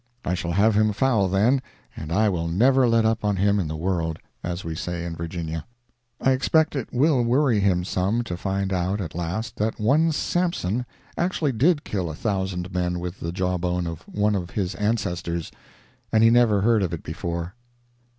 I shall have him foul, then, and I will never let up on him in the world (as we say in Virginia). I expect it will worry him some, to find out at last, that one Samson actually did kill a thousand men with the jaw bone of one of his ancestors, and he never heard of it before.